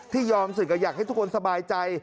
ยอมศึกก็อยากให้ทุกคนสบายใจ